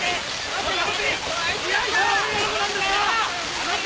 下がって！